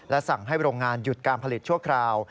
สั่งให้โรงงานหยุดการผลิตชั่วคราว